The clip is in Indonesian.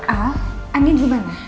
ah andien dimana